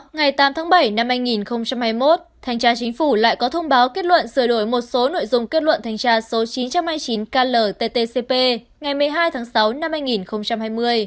ngày tám tháng bảy năm hai nghìn hai mươi một thanh tra chính phủ lại có thông báo kết luận sửa đổi một số nội dung kết luận thanh tra số chín trăm hai mươi chín klttcp ngày một mươi hai tháng sáu năm hai nghìn hai mươi